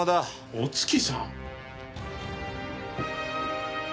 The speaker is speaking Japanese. お月さん？